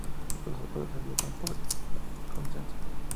Los acuerdos se realizan por consenso.